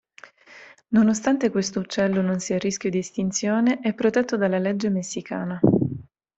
Nonostante questo uccello non sia a rischio di estinzione è protetto dalla legge messicana.